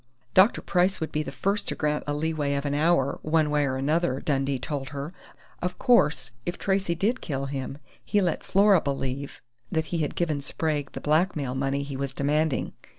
"Dr. Price would be the first to grant a leeway of an hour, one way or another," Dundee told her. "Of course, if Tracey did kill him, he let Flora believe that he had given Sprague the blackmail money he was demanding.